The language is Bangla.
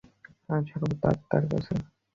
আর সর্বত্র আত্মার কাছে।